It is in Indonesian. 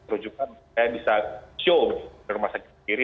rujukan saya bisa show ke rumah sakit sendiri